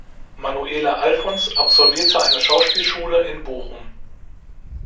Manuela Alphons absolvierte eine Schauspielschule in Bochum.